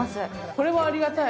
これはありがたい。